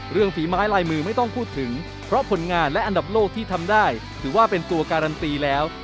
ฝีไม้ลายมือไม่ต้องพูดถึงเพราะผลงานและอันดับโลกที่ทำได้ถือว่าเป็นตัวการันตีแล้ว